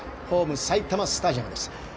ホーム、埼玉スタジアムです。